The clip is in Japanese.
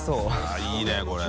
◆舛いいねこれ。